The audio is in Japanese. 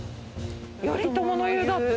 頼朝の湯だって。